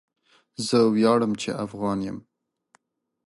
زه وياړم چي افغان يم.